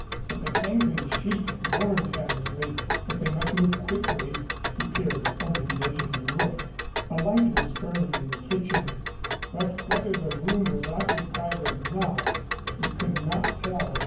But the dangling sheet warned Hammersley that they must move quickly. He peered over the edge of the roof. A light was burning in the kitchen, but whether the room was occupied or not, he could not tell.